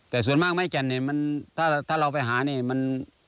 แต่ส่วนมากไม้แก่นเนี่ยมันถ้าเราไปหานี่มัน